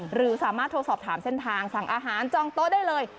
หรือสามารถโทรสอบถามเส้นทางสั่งอาหารจองโต๊ะได้เลย